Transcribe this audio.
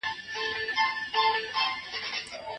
انګلیسانو وضعیت څارل.